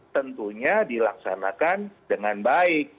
tentunya dilaksanakan dengan baik